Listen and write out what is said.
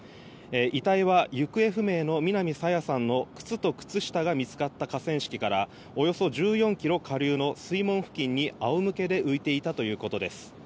遺体は行方不明の南朝芽さんの靴と靴下が見つかった河川敷からおよそ１４ｋｍ下流の水門付近に仰向けで浮いていたということです。